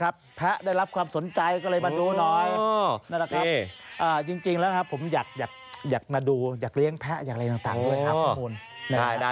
เบาเบาเบา